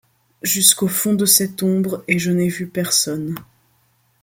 Jusqu’au fond de cette ombre, et je n’ai vu personne.